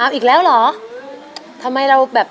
เอาอีกแล้วเหรอ